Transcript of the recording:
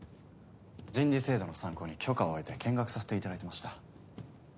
人事制度の参考に許可を得て見学させていただいてました。